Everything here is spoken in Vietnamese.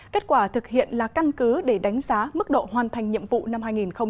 kết quả thực hiện là căn cứ để đánh giá mức độ hoàn thành nhiệm vụ năm hai nghìn hai mươi